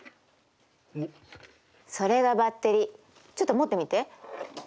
それがバッテリーちょっと持ってみて。